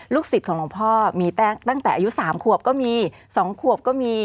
สิทธิ์ของหลวงพ่อมีตั้งแต่อายุ๓ขวบก็มี๒ขวบก็มี